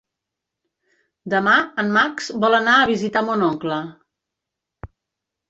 Demà en Max vol anar a visitar mon oncle.